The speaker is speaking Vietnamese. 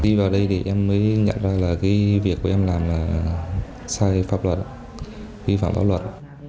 đi vào đây thì em mới nhận ra là cái việc của em làm là sai pháp luật vi phạm pháp luật